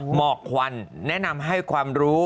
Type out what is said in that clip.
หมอกควันแนะนำให้ความรู้